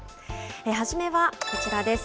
初めはこちらです。